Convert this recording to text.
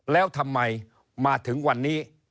แล้วทำไมมาถึงวันนี้